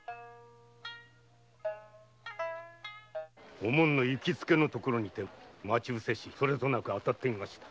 おもんの行きつけの所にて待ち伏せしそれとなく当たってみました。